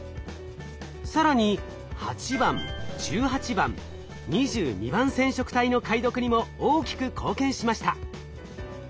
更に８番１８番２２番染色体の解読にも大きく貢献しました。